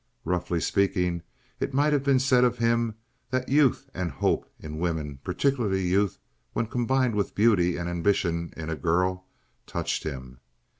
Roughly speaking, it might have been said of him that youth and hope in women—particularly youth when combined with beauty and ambition in a girl—touched him.